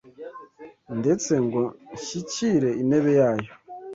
ndetse ngo nshyikire intebe yayo